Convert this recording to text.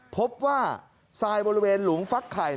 พบว่าไซล์บริเวณหลวงฟักไข่